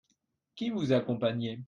Qui vous accompagnait ?